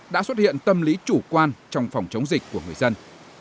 đã xuất hiện tâm lý chủ quan trong phòng chống dịch của người dân